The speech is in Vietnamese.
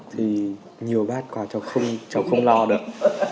thì nhiều bát quà cháu không lo được